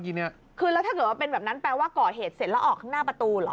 คือแล้วถ้าเกิดว่าเป็นแบบนั้นแปลว่าก่อเหตุเสร็จแล้วออกข้างหน้าประตูเหรอ